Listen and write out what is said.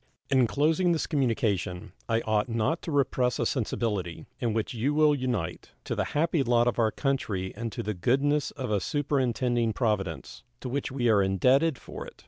In closing this communication I ought not to repress a sensibility, in which you will unite, to the happy lot of our country and to the goodness of a superintending Providence, to which we are indebted for it.